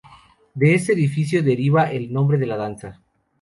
De este oficio derivaría el nombre de la danza.